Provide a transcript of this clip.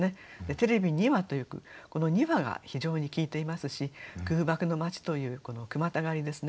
「テレビには」というこの「には」が非常に効いていますし「空爆の街」というこの句またがりですね。